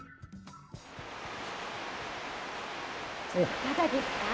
いかがですか？